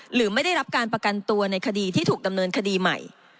หรือไม่ได้รับการประกันตัวในคดีที่ถูกดำเนินคดีใหม่